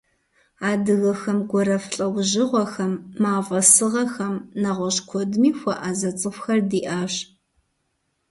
Адыгэхэм гуэрэф лӏэужьыгъуэхэм, мафӏэ сыгъэхэм, нэгъуэщӏ куэдми хуэӏэзэ цӏыхухэр диӏащ.